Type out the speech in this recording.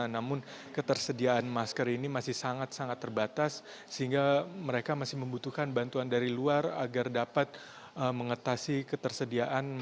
namun ketersediaan masker ini masih sangat sangat terbatas sehingga mereka masih membutuhkan bantuan dari luar agar dapat mengatasi ketersediaan